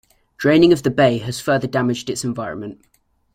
Draining of the bay has further damaged its environment.